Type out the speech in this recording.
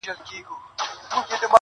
• او ابۍ به دي له کوم رنځه کړیږي -